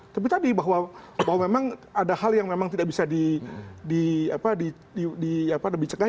tapi tadi bahwa memang ada hal yang memang tidak bisa dicegah